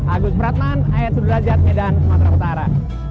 agus pratman ayat sudrajat medan sumatera utara